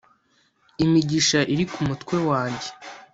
imigisha iri ku mutwe wanjye